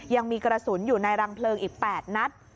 ยังมีกระสุนอยู่ในรังเพลิงอีก๘นัด